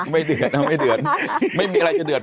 ไม่เดือดไม่มีอะไรจะเดือด